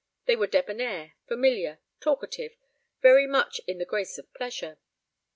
They were debonair, familiar, talkative, very much in the grace of pleasure.